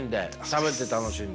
食べて楽しんで。